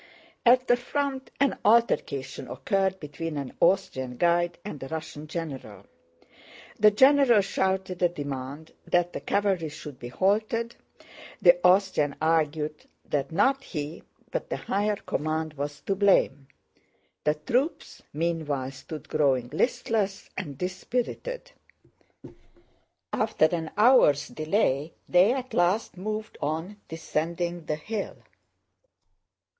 At the front an altercation occurred between an Austrian guide and a Russian general. The general shouted a demand that the cavalry should be halted, the Austrian argued that not he, but the higher command, was to blame. The troops meanwhile stood growing listless and dispirited. After an hour's delay they at last moved on, descending the hill.